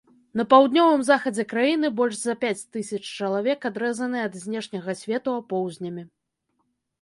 На паўднёвым захадзе краіны больш за пяць тысяч чалавек адрэзаныя ад знешняга свету апоўзнямі.